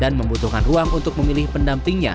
dan membutuhkan ruang untuk memilih pendampingnya